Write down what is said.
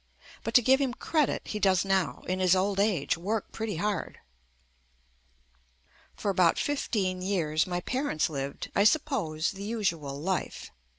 But to give him credit, he does now, in his old age, work pretty hard. For about fifteen years my parents lived, I suppose, the usual life.